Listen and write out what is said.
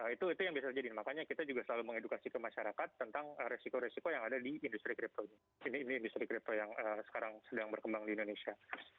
itu yang bisa jadi makanya kita juga selalu mengedukasi ke masyarakat tentang resiko resiko yang ada di industri kripto ini industri kripto yang sekarang sedang berkembang di indonesia